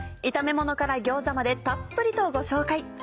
炒めものから餃子までたっぷりとご紹介。